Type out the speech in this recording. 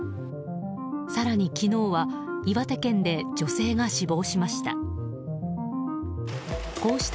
更に昨日は、岩手県で女性が死亡しました。